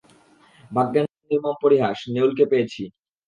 ভাগ্যের নির্মম পরিহাস, নেউলকে পেয়েছি।